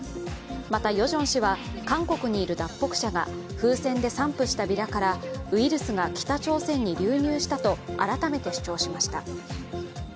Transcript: また、ヨジョン氏は韓国にいる脱北者が風船で散布したビラからウイルスが北朝鮮に流入したと改めて主張しました。